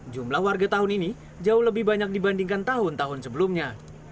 jumlah warga tahun ini jauh lebih banyak dibandingkan tahun tahun sebelumnya